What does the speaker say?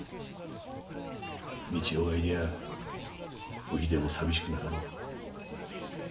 三千代がいりゃおひでも寂しくなかろう。